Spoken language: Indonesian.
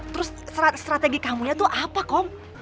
terus strategi kamu itu apa kom